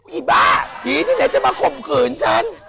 อีบ้าผีที่ไหนจะมาข่มขืนฉัน